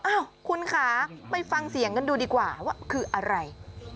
อ้าวคุณคะไปฟังเสียงกันดูดีกว่าว่าคืออะไร